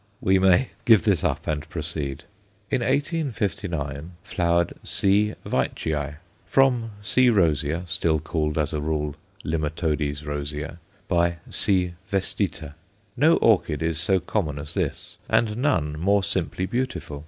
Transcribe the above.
We may "give this up" and proceed. In 1859 flowered C. Veitchii, from C. rosea, still called, as a rule, Limatodes rosea, × C. vestita. No orchid is so common as this, and none more simply beautiful.